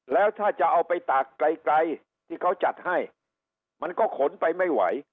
แล้วถ้าจะเอาไปตากไกลที่เขาจัดให้มันก็ขนไปไม่ไหว